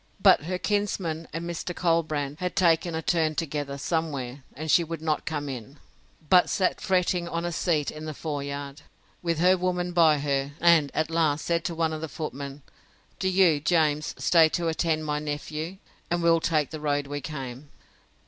But her kinsman and Mr. Colbrand had taken a turn together, somewhere; and she would not come in, but sat fretting on a seat in the fore yard, with her woman by her; and, at last, said to one of the footmen, Do you, James, stay to attend my nephew; and we'll take the road we came.